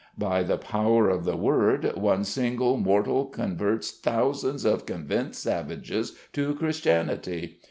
By the power of the word one single mortal converts thousands of convinced savages to Christianity.